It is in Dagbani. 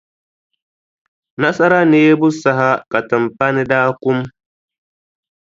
Nasara neebu saha ka timpani daa kum.